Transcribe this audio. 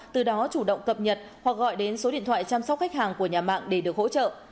từ đó chủ động cập nhật hoặc gọi đến số điện thoại chăm sóc khách hàng của nhà mạng để được hỗ trợ